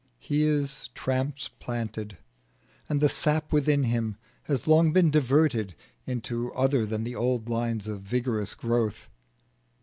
He is transplanted, and the sap within him has long been diverted into other than the old lines of vigorous growth.